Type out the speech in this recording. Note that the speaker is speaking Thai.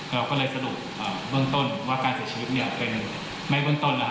เราก็เลยสรุปเบื้องต้นว่าการเสียชีวิตเป็นไม่เบื้องต้น